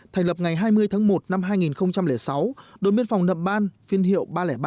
thành lập ngày hai mươi tháng một năm hai nghìn sáu đồn biên phòng nậm ban phiên hiệu ba trăm linh ba